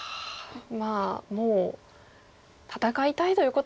まあもう戦いたいということですね。